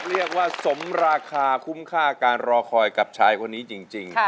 เรียกว่าสมราคาคุ้มค่าการรอคอยกับชายคนนี้จริง